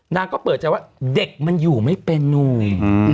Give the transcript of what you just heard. น้ำก็เปิดเสียวะเด็กมันอยู่ไม่เป็นนุ่ม